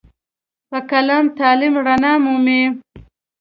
په قلم تعلیم رڼا مومي.